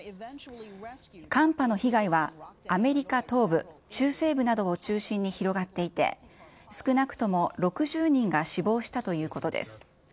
寒波の被害はアメリカ東部、中西部などを中心に広がっていて、少なくとも６０人が死亡したということです。